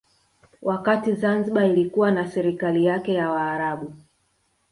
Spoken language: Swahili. Wakati Zanzibar ilikuwa na serikali yake ya Waarabu